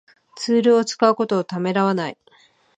ツールを使うことをためらわない